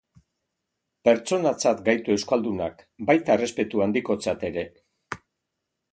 Pertsonatzat gaitu euskaldunak, baita errespetu handikotzat ere.